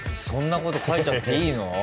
そんなこと書いちゃっていいの？